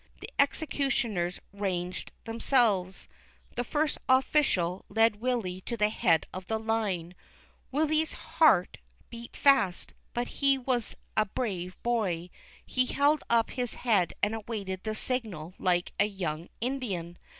The executioners ranged themselves. The First Offi cial led Willy to the head of the lines. Willy's heart beat fast, but he was a brave boy. . He held up his head and awaited the signal like a young Indian.